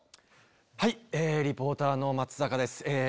はいリポーターの松坂です。